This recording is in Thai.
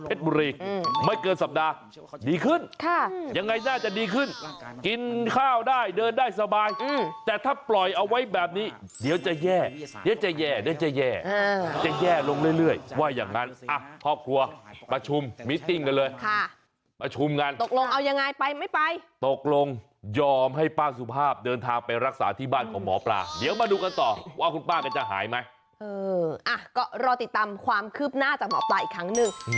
โอ้ยมาเลยโอ้ยผมแห่ง